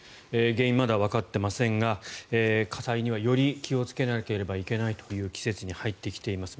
原因はまだわかっていませんが火災にはより気をつけなければいけないという季節に入ってきています。